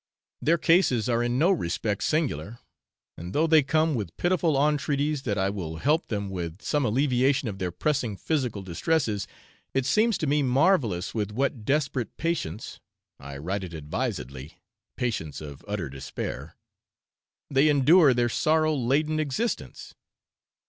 Their cases are in no respect singular, and though they come with pitiful entreaties that I will help them with some alleviation of their pressing physical distresses, it seems to me marvellous with what desperate patience (I write it advisedly, patience of utter despair) they endure their sorrow laden existence.